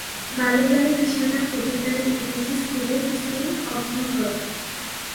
বাল্যকালে কৃষ্ণনাথ মজুমদারের ইংরেজি স্কুলে কিছুদিন অধ্যয়ন করেন।